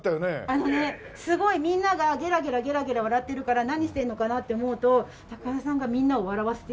あのねすごいみんながゲラゲラゲラゲラ笑ってるから何してるのかな？って思うと高田さんがみんなを笑わせて。